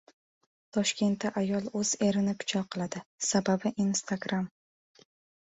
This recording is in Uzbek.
Toshkentda ayol o‘z erini pichoqladi. Sababi instagram